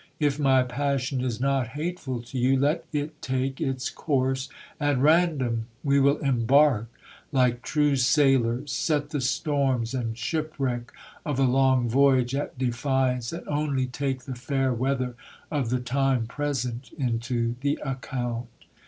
If my passion is not hateful to you, let it take its course at random. We will embark like true sailors, set the storms and shipwreck of a long voyage at defiance, and only take the fair weather of the time present into the account.